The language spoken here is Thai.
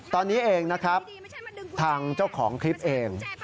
ตอนนี้เองนะครับทางเจ้าของคลิปเอง